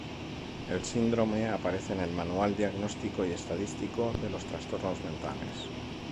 El síndrome aparece en el Manual diagnóstico y estadístico de los trastornos mentales.